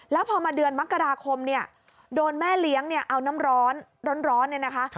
แล้วพอมาเดือนมกราคมเนี่ยโดนแม่เลี้ยงเนี่ยเอาน้ำร้อนร้อนเนี่ยนะคะ